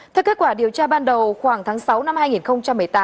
theo kết quả điều tra ban đầu khoảng tháng sáu năm hai nghìn một mươi tám